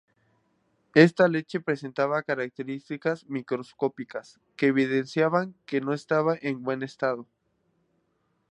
Esta leche presentaba características macroscópicas que evidenciaban que no estaba en buen estado.